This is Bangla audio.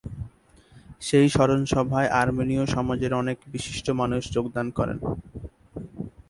সেই স্মরণসভায় আর্মেনিয় সমাজের অনেক বিশিষ্ট মানুষ যোগদান করে।